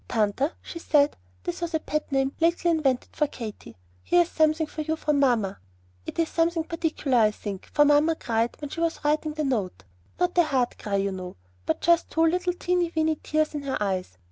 "Tanta," she said, this was a pet name lately invented for Katy, "here is something for you from mamma. It's something quite particular, I think, for mamma cried when she was writing the note; not a hard cry, you know, but just two little teeny weeny tears in her eyes.